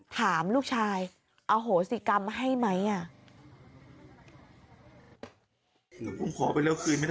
ถามลูกชายอโหสิกรรมให้ไหมอ่ะ